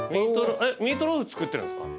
えっミートローフ作ってるんですか？